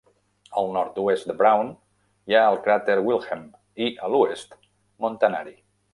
Al nord-oest de Brown hi ha el cràter Wilhelm, i a l'oest, Montanari.